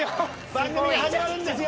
番組始まるんですよ。